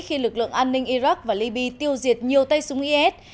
khi lực lượng an ninh iraq và liby tiêu diệt nhiều tay súng is